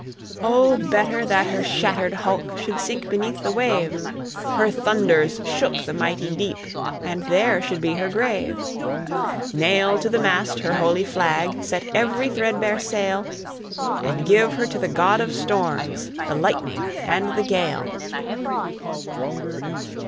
O, better that her shattered hulk Should sink beneath the wave; Her thunders shook the mighty deep, And there should be her grave; Nail to the mast her holy flag, Set every threadbare sail, And give her to the god of storms, The lightning and the gale!